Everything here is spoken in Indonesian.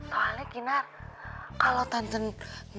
soalnya kinar kalau tante mau pulang